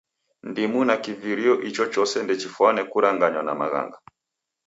Ndimu na kivirio ichochose ndechifwane kuranganywa na maghanga.